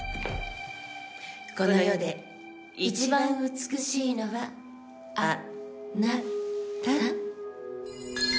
この世で一番美しいのはあなた。